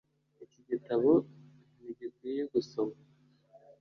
iki gitabo ntigikwiye gusoma